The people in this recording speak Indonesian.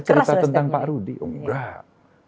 saya cerita tentang pak rudy enggak